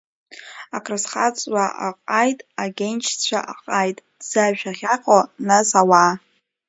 Акрызхаҵуа аҟаит, агьенчцәа аҟаит, ҭӡашә ахьаҟоу нас ауаа.